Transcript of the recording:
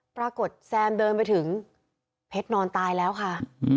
แซมเดินไปถึงเพชรนอนตายแล้วค่ะ